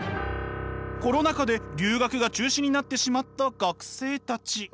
コロナ禍で留学が中止になってしまった学生たち。